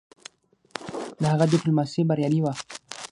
د هغه ډيپلوماسي بریالی وه.